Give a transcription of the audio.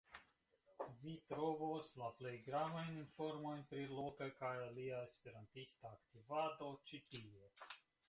Vi trovos la plej gravajn informojn pri loka kaj alia esperantista aktivado ĉi tie.